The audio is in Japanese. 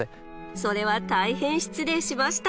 それは大変失礼しました。